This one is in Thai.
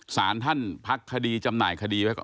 สารท่านพักคดีจำหน่ายคดีไว้ก่อน